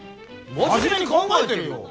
真面目に考えてるよ！